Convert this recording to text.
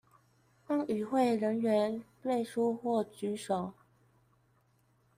讓與會人員背書或舉手